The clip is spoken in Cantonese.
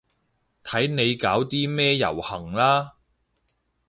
睇你搞啲咩遊行啦